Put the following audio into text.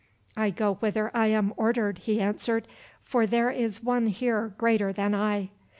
"I go whither I am ordered," he answered, "for there is one here greater than I."